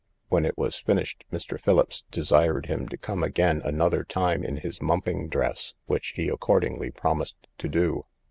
When it was finished, Mr. Philips desired him to come again another time in his mumping dress, which he accordingly promised to do.